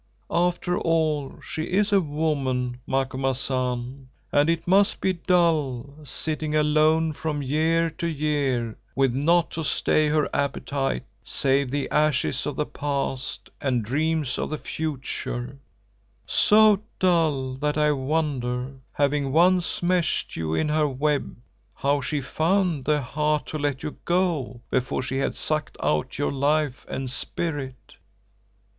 After all, she is a woman, Macumazahn, and it must be dull sitting alone from year to year with naught to stay her appetite save the ashes of the past and dreams of the future, so dull that I wonder, having once meshed you in her web, how she found the heart to let you go before she had sucked out your life and spirit.